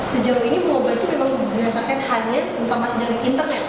sejauh ini mengobati memang hanya untuk masjid internet